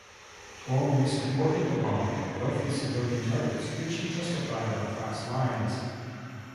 Twomey supported the bombing of wealthy civilian targets, which he justified on class lines.